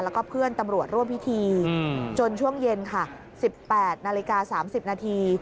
แล้วก็เพื่อนตำรวจร่วมพิธีจนช่วงเย็นค่ะ๑๘นาฬิกา๓๐นาที